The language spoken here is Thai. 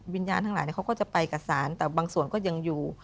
วิญญาณทั้งหลายเขาก็จะไปกับศาลแต่บางส่วนก็ยังอยู่